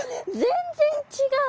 全然違う！